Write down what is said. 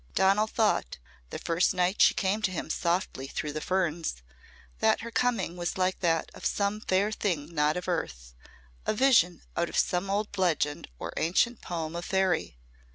Donal thought the first night she came to him softly through the ferns that her coming was like that of some fair thing not of earth a vision out of some old legend or ancient poem of faëry.